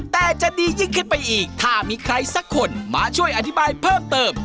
แต่จะดียิ่งขึ้นไปอีกถ้ามีใครสักคนมาช่วยอธิบายเพิ่มเติม